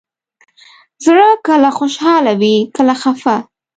زړه کله خوشحاله وي، کله خفه.